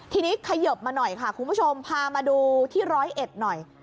ทีนี้ขยบมาหน่อยค่ะคุณผู้ชมพามาดูที่ร้อยเอ็ดหน่อย